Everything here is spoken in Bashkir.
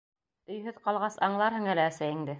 Өйһөҙ ҡалғас, аңларһың әле әсәйеңде!